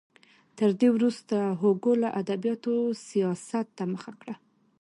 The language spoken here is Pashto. تر دې وروسته هوګو له ادبیاتو سیاست ته مخه کړه.